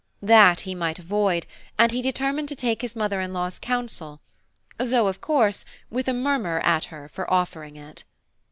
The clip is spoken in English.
That he might avoid, and he determined to take his mother in law's counsel, though, of course, with a murmur at her for offering it.